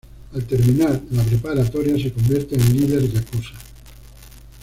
Al terminar la preparatoria se convierte en líder yakuza.